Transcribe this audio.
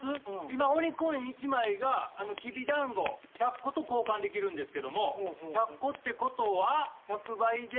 今鬼コイン１枚がきびだんご１００個と交換できるんですけども１００個ってことは１００倍で？